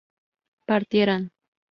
partieran